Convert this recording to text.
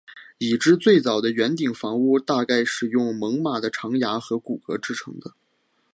已知最早的圆顶房屋大概是用猛犸的长牙和骨骼制成的。